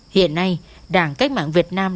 hiện nay đảng cách mạng việt nam